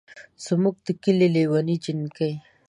زمونږ ده کلي لېوني جينکۍ